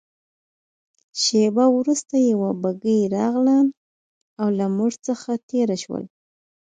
شېبه وروسته یوه بګۍ راغلل او له موږ څخه تېره شول.